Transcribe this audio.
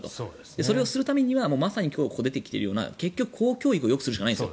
それをさせるためには今日、今ここに出ているような結局、公教育をよくするしかないんです。